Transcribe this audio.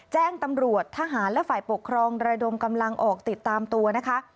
แจ้งตำรวจทหารและฝ่ายปกครองระดมกำลังออกติดตามตัวนะคะ